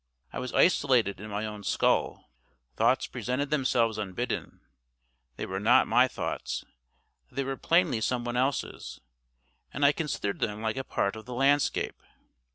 I was isolated in my own skull. Thoughts presented themselves unbidden; they were not my thoughts, they were plainly some one else's; and I considered them like a part of the landscape.